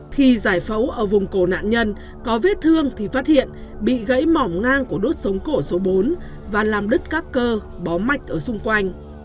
khi giải phẫu ở vùng cổ nạn nhân có vết thương thì phát hiện bị gãy mỏng ngang của đốt sống cổ số bốn và làm đứt các cơ bó mạch ở xung quanh